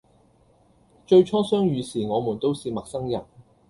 最初相遇時我們都是陌生人